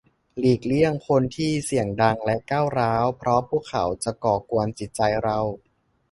หลีกเลี่ยงคนที่เสียงดังและก้าวร้าว เพราะพวกเขาจะก่อกวนจิตใจเรา